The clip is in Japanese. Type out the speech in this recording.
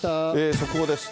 速報です。